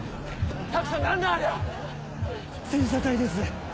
澤さん何だありゃ⁉戦車隊です。